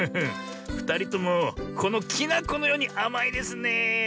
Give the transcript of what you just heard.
ふたりともこのきなこのようにあまいですねえ。